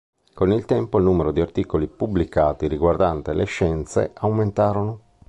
Con il tempo il numero di articoli pubblicati riguardanti le scienze aumentarono.